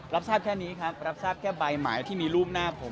รับทราบแค่นี้ครับรับทราบแค่ใบหมายที่มีรูปหน้าผม